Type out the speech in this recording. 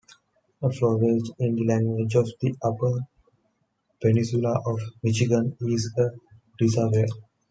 A "flowage", in the language of the Upper Peninsula of Michigan, is a reservoir.